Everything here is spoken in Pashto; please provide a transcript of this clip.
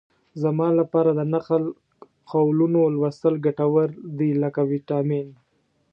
زما لپاره د نقل قولونو لوستل ګټور دي لکه ویټامین.